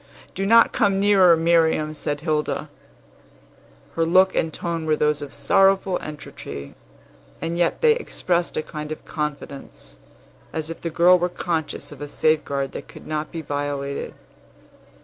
"Do not come nearer, Miriam!" said Hilda. Her look and tone were those of sorrowful entreaty, and yet they expressed a kind of confidence, as if the girl were conscious of a safeguard that could not be violated.